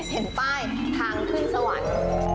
เห็นป้ายทางขึ้นสวรรค์